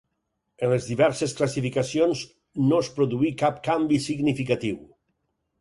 En les diverses classificacions no es produí cap canvi significatiu.